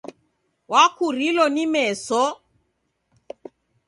Wakurilo ni meso!